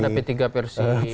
ada p tiga versi